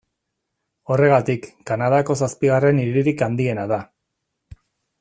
Horregatik, Kanadako zazpigarren hiririk handiena da.